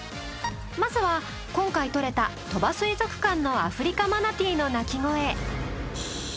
まずは今回録れた鳥羽水族館のアフリカマナティーの鳴き声。